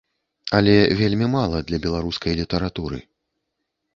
Але вельмі мала для беларускай літаратуры.